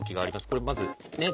これまずね